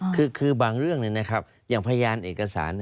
คือบางเรื่องอย่างพยานเอกสาร